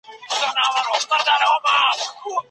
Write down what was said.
پښتو بې متلونو نه ده.